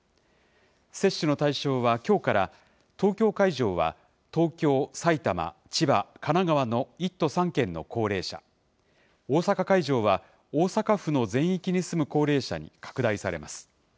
接種の対象はきょうから、東京会場は東京、埼玉、千葉、神奈川の１都３県の高齢者、大阪会場は大阪府の全域に住む高齢者に拡大されます。